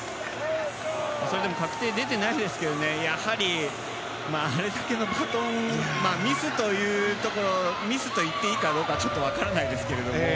それでも確定は出ていないですけどやはりあれだけのバトンミスといっていいかちょっと分からないですけど